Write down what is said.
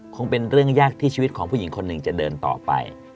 คงเป็นเรื่องยากที่ชีวิตของผู้หญิงคนหนึ่งจะเดินต่อไป